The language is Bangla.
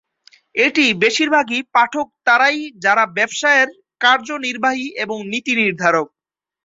এটি বেশিরভাগই পাঠক তারাই যারা ব্যবসায়ের কার্যনির্বাহী এবং নীতি নির্ধারক।